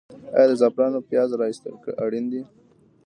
آیا د زعفرانو پیاز را ایستل اړین دي؟